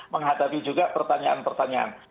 menghadapi juga pertanyaan pertanyaan